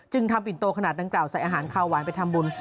ทำปิ่นโตขนาดดังกล่าวใส่อาหารคาวหวานไปทำบุญ